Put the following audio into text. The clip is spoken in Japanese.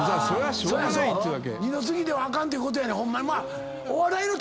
二の次ではあかんということやねん。